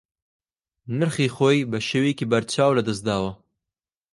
نرخی خۆی بە شێوەیەکی بەرچاو لەدەست داوە